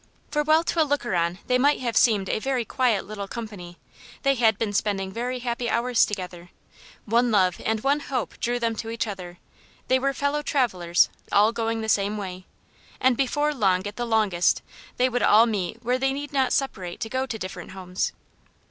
For while to a looker on they might have seemed a very quiet little company, they had been spending very happy hours together; one love and one hope drew them to each other ; they were fellow travellers, all going the same way, and before long at the longest, they would all meet where they need not separate to go to different homes.